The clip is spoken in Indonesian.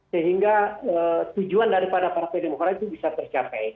sehingga tujuan daripada partai demokrat itu bisa tercapai